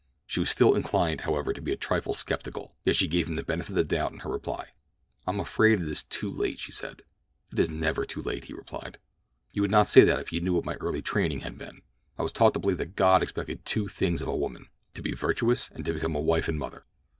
She was still inclined, however, to be a trifle skeptical; yet she gave him the benefit of the doubt in her reply. "I am afraid that it is too late," she said. "It is never too late," he replied. "You would not say that if you knew what my early training had been. I was taught to believe that God expected but two things of a woman—to be virtuous, and to become a wife and mother.